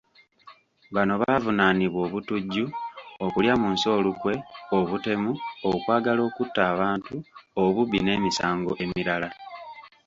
Bano baavunaanibwa; obutujju, okulya mu nsi olukwe, obutemu, okwagala okutta abantu, obubbi n'emisango emirala.